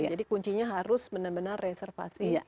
jadi kuncinya harus benar benar reservasi